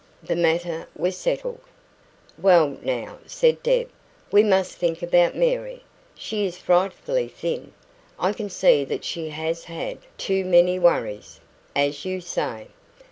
That matter was settled. "Well, now," said Deb, "we must think about Mary. She is frightfully thin. I can see that she has had too many worries, as you say.